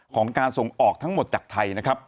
ของการส่งออกทั้งหมดจากไทยนะครับ